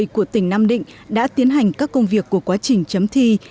của tỉnh nam định đã tiến hành các công việc của quá trình chấm thi